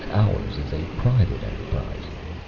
Ours is a private enterprise.